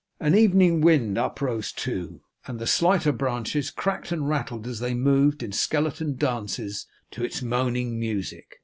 An evening wind uprose too, and the slighter branches cracked and rattled as they moved, in skeleton dances, to its moaning music.